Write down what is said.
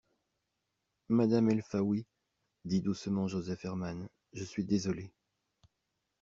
Madame Elfaoui, dit doucement Joseph Herman, je suis désolé